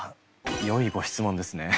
よいご質問ですね。